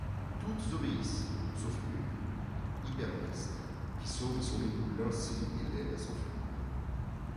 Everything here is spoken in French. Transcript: Toutes obéissent sauf une, Hypermnestre, qui sauve son époux Lyncée et l’aide à s’enfuir.